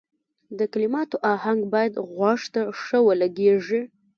د کلماتو اهنګ باید غوږ ته ښه ولګیږي.